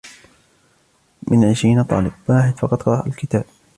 من عشرين طالب, واحد فقط قرأ الكتاب.